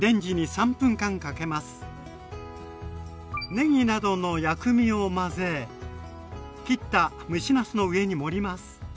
ねぎなどの薬味を混ぜ切った蒸しなすの上に盛ります。